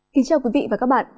xin chào quý vị và các bạn